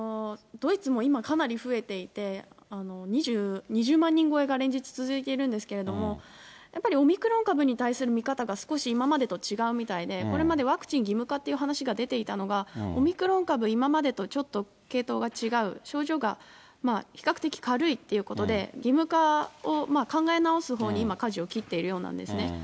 ドイツも今、かなり増えていて、２０万人超えが連日続いてるんですけれども、やっぱり、オミクロン株に対する見方が少し今までと違うみたいで、これまでワクチン義務化っていう話が出ていたのが、オミクロン株、今までとちょっと系統が違う、症状が比較的軽いということで、義務化を考え直すほうに、今、かじを切っているようなんですね。